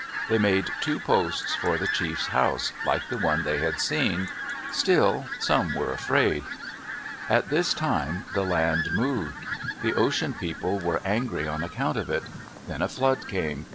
They made two posts for the chief's house like the one they had seen. Still some were afraid. At this time the land moved. The Ocean People were angry on account of it. Then a flood came.